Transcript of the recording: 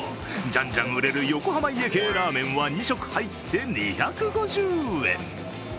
じゃんじゃん売れる横浜家系ラーメンは２食入って２５０円。